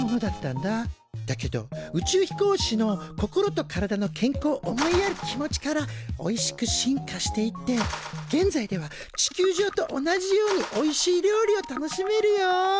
だけど宇宙飛行士の心と体の健康を思いやる気持ちからおいしく進化していって現在では地球上と同じようにおいしい料理を楽しめるよ。